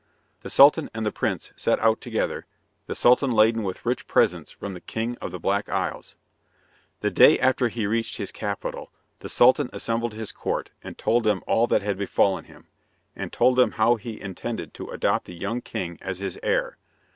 The Sultan and the prince set out together, the Sultan laden with rich presents from the King of the Black Isles. The day after he reached his capital the Sultan assembled his court and told them all that had befallen him, and told them how he intended to adopt the young king as his heir.